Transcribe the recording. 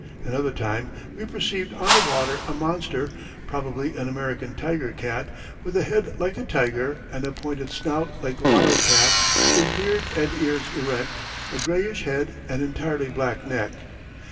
Another time we perceived on the water a monster [probably an American tiger cat] with a head like a tiger and a pointed snout like the wild cat, with beard and ears erect, a grayish head, and entirely black neck."